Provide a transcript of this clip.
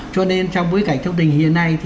cho nên trong bối cảnh trong tình hiện nay